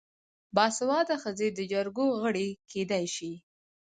باسواده ښځې د جرګو غړې کیدی شي.